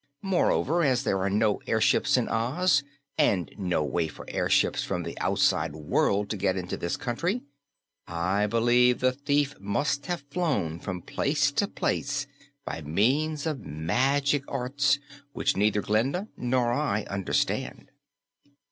Moreover, as there are no airships in Oz and no way for airships from the outside world to get into this country, I believe the thief must have flown from place to place by means of magic arts which neither Glinda nor I understand."